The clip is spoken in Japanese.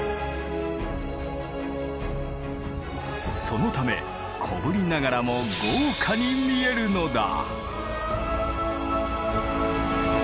そのため小ぶりながらも豪華に見えるのだ。